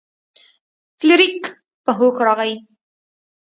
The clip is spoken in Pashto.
فلیریک په هوښ راغی.